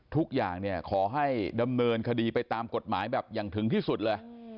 ทุกอย่างเนี่ยขอให้ดำเนินคดีไปตามกฎหมายแบบอย่างถึงที่สุดเลย